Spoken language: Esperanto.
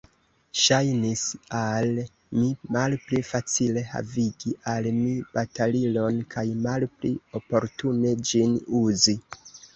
Ŝajnis al mi malpli facile, havigi al mi batalilon, kaj malpli oportune, ĝin uzi.